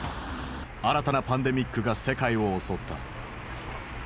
新たなパンデミックが世界を襲った。